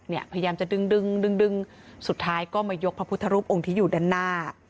พยายามจะดึงดึงดึงสุดท้ายก็มายกพระพุทธรูปองค์ที่อยู่ด้านหน้า